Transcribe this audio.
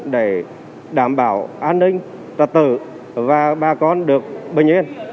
để đảm bảo an ninh trật tự và bà con được bình yên